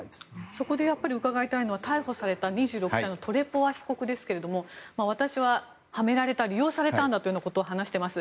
そこで伺いたいのは逮捕された２６歳のトレポワ被告ですが私は、はめられた利用されたんだということを話しています。